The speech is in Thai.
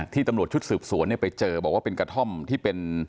ตำรวจชุดสืบสวนเนี่ยไปเจอบอกว่าเป็นกระท่อมที่เป็น